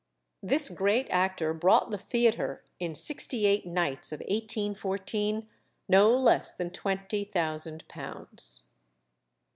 This great actor brought the theatre, in sixty eight nights of 1814, no less than twenty thousand pounds.